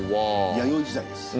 弥生時代です。